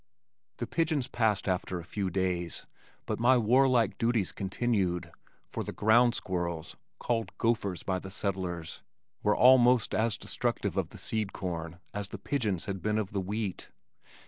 The pigeons passed after a few days, but my warlike duties continued, for the ground squirrels, called "gophers" by the settlers, were almost as destructive of the seed corn as the pigeons had been of the wheat.